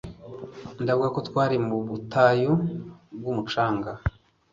Ndavuga ko twari mu butayu bwumucanga